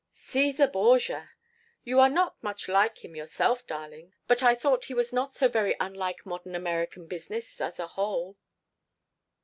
"Caesar Borgia. You are not much like him yourself, darling, but I thought he was not so very unlike modern American business, as a whole."